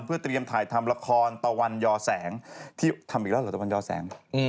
เพื่อเตรียมถ่ายทำละครตะวันยอแสงที่ทำอีกแล้วเหรอตะวันยอแสง